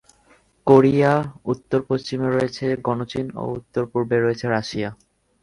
Korea উত্তর-পশ্চিমে রয়েছে গণচীন ও উত্তর-পূর্বে রয়েছে রাশিয়া।